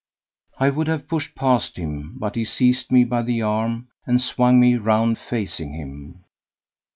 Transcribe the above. I would have pushed past him, but he seized me by the arm, and swung me round facing him.